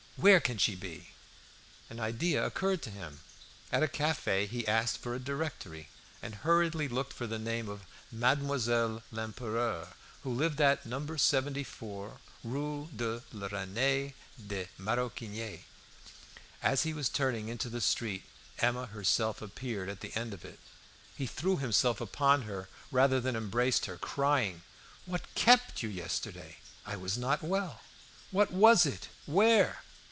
Where can she be?" An idea occurred to him. At a cafe he asked for a Directory, and hurriedly looked for the name of Mademoiselle Lempereur, who lived at No. 74 Rue de la Renelle des Maroquiniers. As he was turning into the street, Emma herself appeared at the other end of it. He threw himself upon her rather than embraced her, crying "What kept you yesterday?" "I was not well." "What was it? Where?